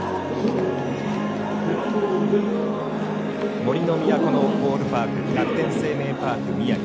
杜の都のボールパーク楽天生命パーク宮城。